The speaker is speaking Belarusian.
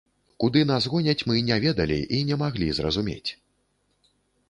Куды нас гоняць, мы не ведалі і не маглі зразумець.